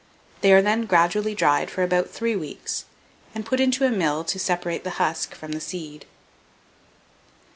They are then gradually dried for about three weeks, and put into a mill to separate the husk from the seed.